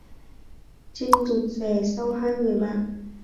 Trinh dụt dè sau hai người bạn